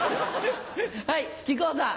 はい木久扇さん。